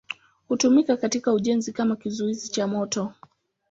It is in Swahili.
Hutumika katika ujenzi kama kizuizi cha moto.